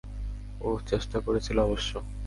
ওহ, চেষ্টা করেছিল অবশ্য।